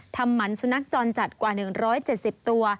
หมันสุนัขจรจัดกว่า๑๗๐ตัว